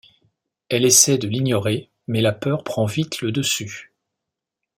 Elle essaye de l'ignorer mais la peur prend vite le dessus.